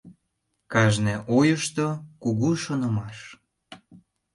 Кажне ойышто — кугу шонымаш.